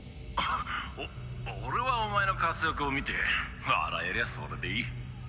お俺はお前の活躍を見て笑えりゃそれでいい。